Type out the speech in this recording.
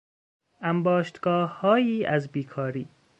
انباشتگاههایی از بیکاری